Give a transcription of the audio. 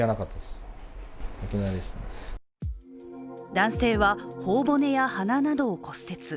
男性は頬骨や鼻などを骨折。